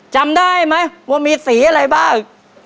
จำได้ไหมว่ามีสีอะไรบ้าง